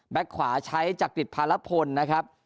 ขวาใช้จักริตภาระพลนะครับ